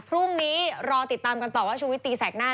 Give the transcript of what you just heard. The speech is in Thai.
พรุ่งนี้รอติดตามกันต่อว่าชุวิตตีแสกหน้า